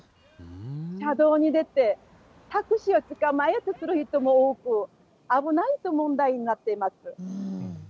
車道に出て、タクシーを捕まえようとする人も多く、危ないと問題になっています。